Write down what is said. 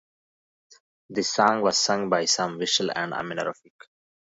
The song was sung by "Sam Vishal" and "Amina Rafiq".